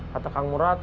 kata kang murad